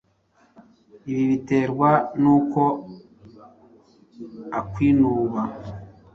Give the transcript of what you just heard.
ibi biterwa n’uko akwinuba